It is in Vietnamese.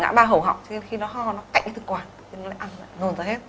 ngã ba hầu họng cho nên khi nó ho nó cạnh cái thực quản nó lại ăn ra nôn ra hết